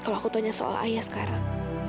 kalau aku tanya soal ayah sekarang